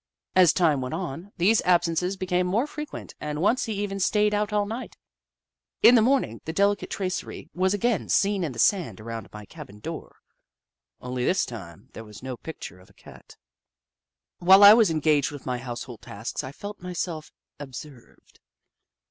As time went on, these absences became more frequent, and once he even stayed out all night. In the morning the delicate tracery Little Upsidaisi n was again seen in the sand around my cabin door, only this time there was no picture of a Cat. While I was engaged with my household tasks, I felt myself observed.